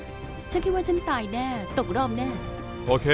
กูใช้ซอสเหรอแต่เมื่อกี้ผมได้ยินบอกว่า